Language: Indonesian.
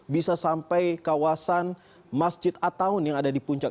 bisa sampai kawasan masjid attaun yang ada di puncak